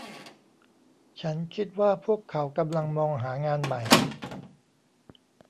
ฉันคิดว่าพวกเขากำลังมองหางานใหม่